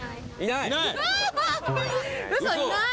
いない！